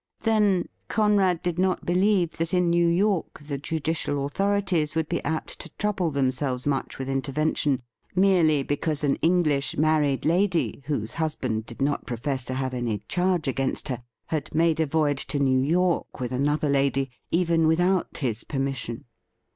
Then, Conrad did not believe that in New York the judicial authorities would be apt to trouble themselves much with intervention merely because an English married lady, whose husband did not profess to have any charge against her, had made a voyage to New York with another lady, even without his permission.